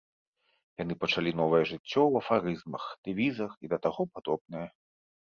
Яны пачалі новае жыццё ў афарызмах, дэвізах і да таго падобнае.